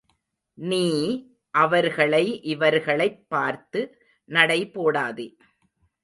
நீ, அவர்களை, இவர்களைப் பார்த்து நடை போடாதே.